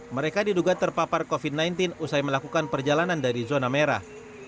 mereka diduga terpapar covid sembilan belas usai melakukan perjalanan dari zona merah